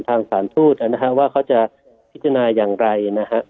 ทางสารทูตว่าเขาจะพิจารณาอย่างไร